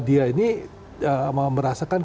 dia ini merasakan